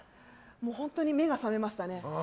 本当に目が覚めましたね。